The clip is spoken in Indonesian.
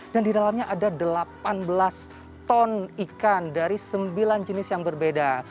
dan di dalamnya ada delapan belas ton ikan dari sembilan jenis yang berbeda